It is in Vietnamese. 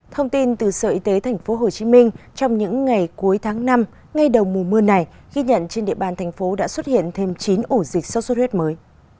thông tin từ sở y tế tp hcm trong những ngày cuối tháng năm ngay đầu mùa mưa này ghi nhận trên địa bàn thành phố đã xuất hiện thêm chín ổ dịch sốt xuất huyết mới